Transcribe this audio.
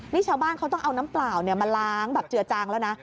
นี่ชาวบ้านเขาต้องเอาน้ำเปล่ามาล้างแบบเจือจางแล้วนะ